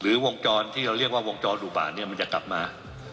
หรือวงจรที่เราเรียกว่าวงจรดุบามันจะกลับมา